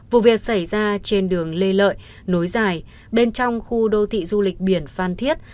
vụ việc xảy ra trên đường lê lợi nối dài bên trong khu đô thị du lịch biển phan thiết